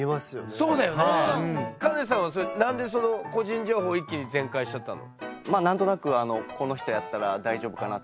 カネさんはなんで個人情報を一気に全開しちゃったの？